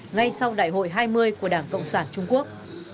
ngay sau đại hội hai mươi của đảng cộng sản trung quốc